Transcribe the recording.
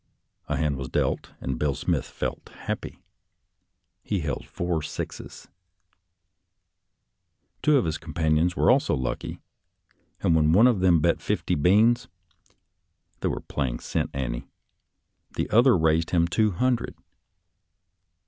A hand was dealt and Bill Smith felt happy; he held four sixes. Two of his companions were also lucky, and when one of them bet fifty beans — they were playing cent ante — the other raised him two hundred.